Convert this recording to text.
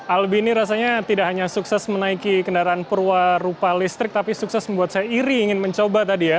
albini rasanya tidak hanya sukses menaiki kendaraan perwarupa listrik tapi sukses membuat saya iri ingin mencoba